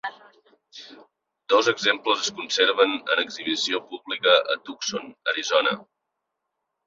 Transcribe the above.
Dos exemples es conserven en exhibició pública a Tucson, Arizona.